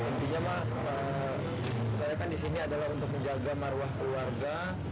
intinya mah saya kan disini adalah untuk menjaga maruah keluarga